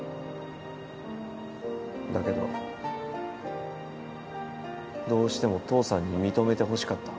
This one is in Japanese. だけど。どうしても父さんに認めてほしかった。